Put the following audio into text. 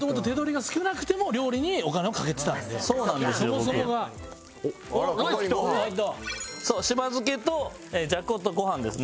そうしば漬けとじゃことご飯ですね。